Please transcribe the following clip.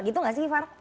gitu gak sih farah